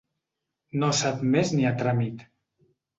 No s’ha admès ni a tràmit.